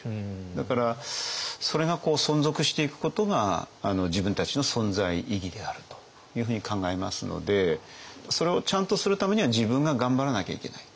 だからそれが存続していくことが自分たちの存在意義であるというふうに考えますのでそれをちゃんとするためには自分が頑張らなきゃいけない。